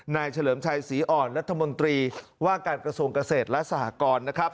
เฉลิมชัยศรีอ่อนรัฐมนตรีว่าการกระทรวงเกษตรและสหกรนะครับ